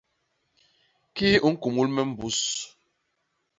Kii u ñkumul me mbus.